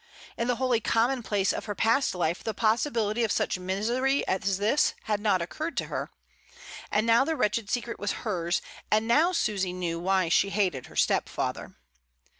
In the holy commonplace of her past life the possibility of such misery as this had not occvirred to her; and now the wretched secret was hers, and now Susy knew why she hated her stepfather.